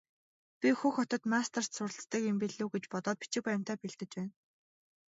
Би Хөх хотод магистрт суралцдаг юм билүү гэж бодоод бичиг баримтаа бэлдэж байна.